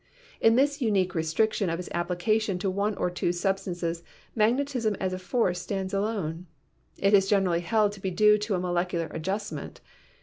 In this unique restriction of its application to one or two sub stances magnetism as a force stands alone. It is generally held to be due to a molecular adjustment.